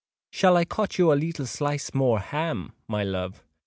"Shall I cut you a leetle slice more ham, my love?"